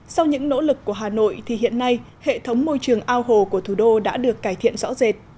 sau những nỗ lực của hà nội thì hiện nay hệ thống môi trường ao hồ của thủ đô đã được cải thiện rõ rệt